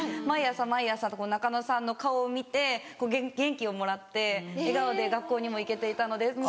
毎朝毎朝中野さんの顔を見て元気をもらって笑顔で学校にも行けていたので。